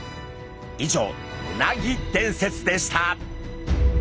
以上うなぎ伝説でした。